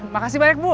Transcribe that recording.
makasih banyak bu